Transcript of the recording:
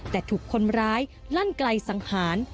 แต่ถูกคนร้ายลั่นไกลสังหาร